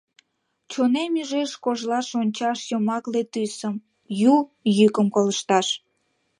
Чонем ӱжеш кожлаш Ончаш йомакле тӱсым, Ю йӱкым колышташ.